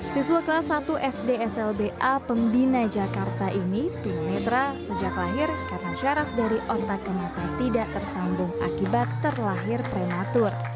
siswa kelas satu sd slba pembina jakarta ini tuna netra sejak lahir karena syaraf dari otak ke mata tidak tersambung akibat terlahir prematur